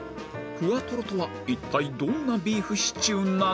ふわトロとは一体どんなビーフシチューなのか？